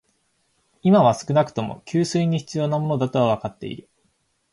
今は少なくとも、給水に必要なものだとはわかっている